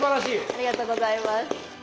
ありがとうございます。